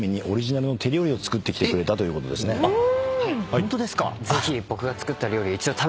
ホントですか？